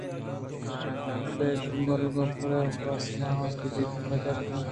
* ابدلگپور ءُ کاسم ھان چَہ کج ءَ پیداگ اَنت؟